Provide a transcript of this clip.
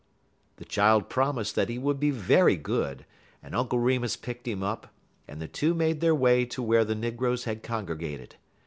The child promised that he would be very good, and Uncle Remus picked him up, and the two made their way to where the negroes had congregated.